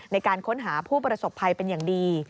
ในการค้นหาผู้ประสบภัยเป็นอย่างดี